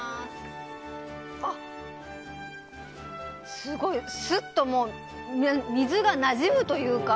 あ、すごい！すっと、水がなじむというか